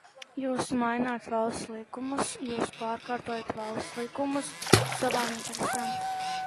Jūs maināt valsts likumus, jūs pakārtojat valsts likumus savām interesēm.